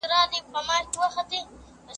پلان جوړونه د منابعو د ضايع کېدو مخه نيسي.